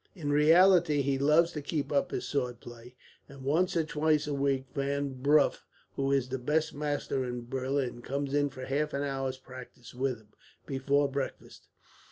In reality he loves to keep up his sword play, and once or twice a week Van Bruff, who is the best master in Berlin, comes in for half an hour's practice with him, before breakfast."